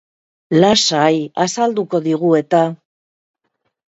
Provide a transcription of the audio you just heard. Lasai, azalduko digu eta!